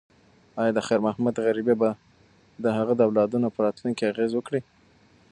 ایا د خیر محمد غریبي به د هغه د اولادونو په راتلونکي اغیز وکړي؟